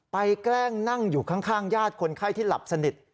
แกล้งนั่งอยู่ข้างญาติคนไข้ที่หลับสนิท